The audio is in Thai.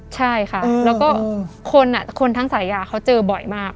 ใช่ค่ะแล้วก็คนทั้งสายาเขาเจอบ่อยมาก